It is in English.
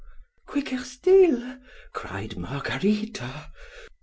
Quicker still, cried _Margarita.